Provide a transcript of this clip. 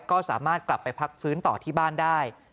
ก็สามารถกลับไปพักฟื้นต่อที่บ้านได้